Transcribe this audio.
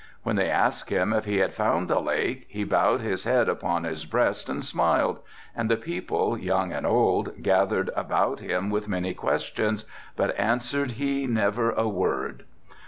When they asked him if he had found the lake he bowed his head upon his breast and smiled, and the people, young and old, gathered about him with many questions, but answered he never a word.